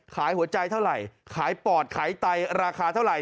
หัวใจเท่าไหร่ขายปอดขายไตราคาเท่าไหร